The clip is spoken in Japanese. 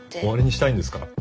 終わりにしたいんですか？